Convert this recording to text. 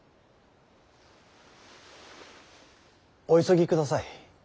お急ぎください。